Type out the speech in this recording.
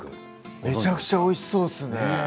めちゃめちゃおいしそうですね。